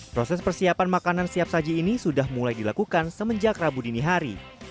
proses persiapan makanan siap saji ini sudah mulai dilakukan semenjak rabu dini hari